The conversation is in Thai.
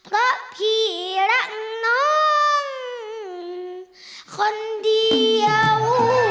เพราะพี่รักน้องคนเดียว